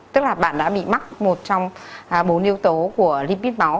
tức là bạn đã bị mắc một trong bốn yếu tố của libit máu